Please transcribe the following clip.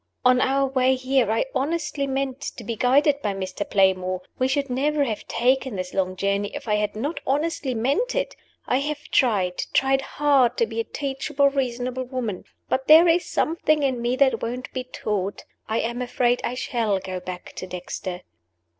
On our way here I honestly meant to be guided by Mr. Playmore we should never have taken this long journey if I had not honestly meant it. I have tried, tried hard to be a teachable, reasonable woman. But there is something in me that won't be taught. I am afraid I shall go back to Dexter."